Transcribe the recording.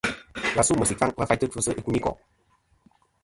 Và su meysì ɨkfaŋ va faytɨ kfɨsɨ ikunikò'.